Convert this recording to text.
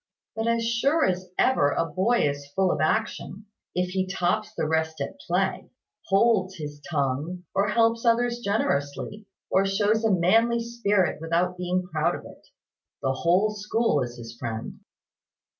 But, as sure as ever a boy is full of action if he tops the rest at play holds his tongue, or helps others generously or shows a manly spirit without being proud of it, the whole school is his friend.